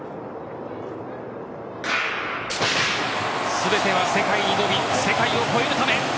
全ては世界に挑み世界を超えるため。